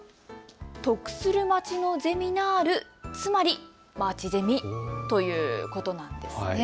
得する街のゼミナール、つまりまちゼミということなんですね。